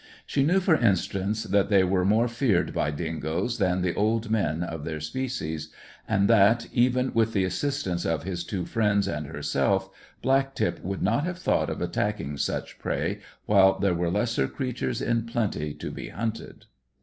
She knew, for instance, that they were more feared by dingoes than the "old men" of their species, and that, even with the assistance of his two friends and herself, Black tip would not have thought of attacking such prey while there were lesser creatures in plenty to be hunted.